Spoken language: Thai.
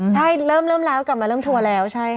ใช่เริ่มแล้วกลับมาเริ่มทัวร์แล้วใช่ค่ะ